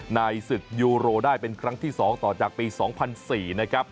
ในศึกยูโรได้เป็นครั้งที่๒ต่อจากปี๒๐๐๔นะครับ